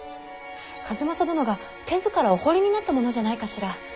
数正殿が手ずからお彫りになったものじゃないかしら。